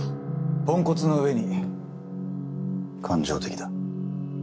ポンコツの上に感情的だ。